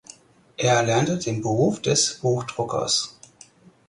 Er erlernte den Beruf des Buchdruckers.